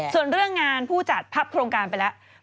ส่วนเรื่องงานผู้จัดพับโครงการไปแล้ว